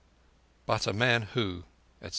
_But a man who, etc.